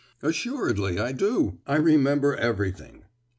"Assuredly I do—I remember everything!"